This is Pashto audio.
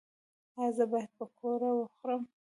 ایا زه باید پکوړه وخورم؟